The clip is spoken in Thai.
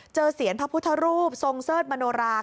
เสียนพระพุทธรูปทรงเสิร์ชมโนรา